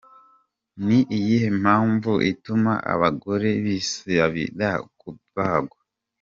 Ni iyihe mpamvu ituma abagore bisabira kubagwa ?.